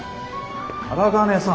荒金さん。